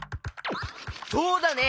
そうだね！